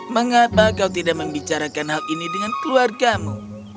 mengapa kau tidak membicarakan hal ini dengan keluargamu